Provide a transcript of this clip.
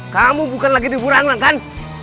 kamu bukan lagi di burang rang kan